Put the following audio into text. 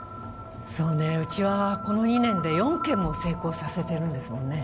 そうねうちはこの２年で４件も成功させてるんですもんね。